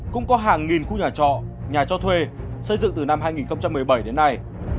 cũng có hàng nghìn khu nhà trọ nhà cho thuê xây dựng từ năm hai nghìn một mươi bảy đến nay